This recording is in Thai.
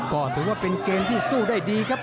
ก็ถือว่าเป็นเกมที่สู้ได้ดีครับ